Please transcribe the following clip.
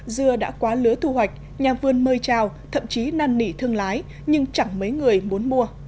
dưa đã quá lứa thu hoạch nhà vườn mời trào thậm chí năn nỉ thương lái nhưng chẳng mấy người muốn mua